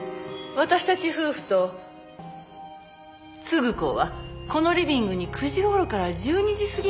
私たち夫婦と継子はこのリビングに９時頃から１２時過ぎまでいました。